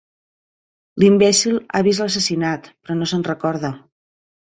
L'imbècil ha vist l'assassinat, però no se'n recorda.